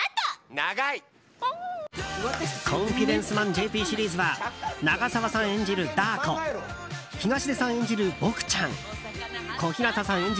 「コンフィデンスマンＪＰ」シリーズは長澤さん演じるダー子東出さん演じるボクちゃん小日向さん